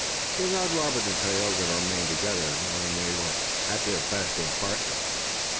He allowed Robert and Tayoga to remain together, knowing they were at their best when partners.